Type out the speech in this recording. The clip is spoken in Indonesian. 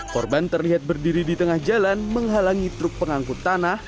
korban terlihat berdiri di tengah jalan menghalangi truk pengangkut tanah